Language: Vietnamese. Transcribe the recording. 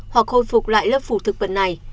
hoặc hồi phục lại lớp phủ thực vật này